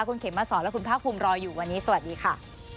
คุณเขมมาสอนและคุณภาคภูมิรออยู่วันนี้สวัสดีค่ะ